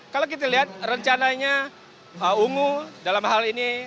kalau kita lihat rencananya ungu dalam hal ini